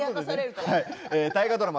大河ドラマ